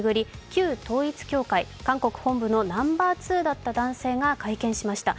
旧統一教会、韓国本部のナンバー２だった男性が会見しました。